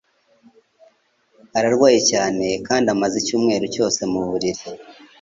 Ararwaye cyane kandi amaze icyumweru cyose mu buriri